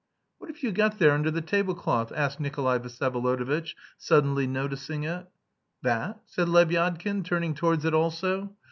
"What have you got there under the table cloth?" asked Nikolay Vsyevolodovitch, suddenly noticing it. "That?" said Lebyadkin, turning towards it also.